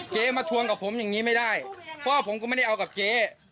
เจ๊มาทวงกับผมอย่างนี้ไม่ได้เพราะผมก็ไม่ได้เอากับเจ๊